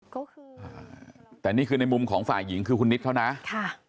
ก็คืออ่าแต่นี่คือในมุมของฝ่ายหญิงคือคุณนิดเขานะค่ะ